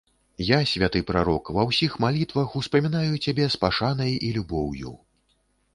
Я, святы прарок, ва ўсіх малітвах успамінаю цябе з пашанай і любоўю.